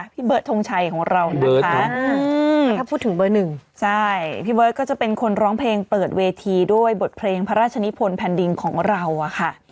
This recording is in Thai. เบิร์ดทงชัยของเรานะคะถ้าพูดถึงเบอร์หนึ่งใช่พี่เบิร์ตก็จะเป็นคนร้องเพลงเปิดเวทีด้วยบทเพลงพระราชนิพลแผ่นดินของเราอะค่ะ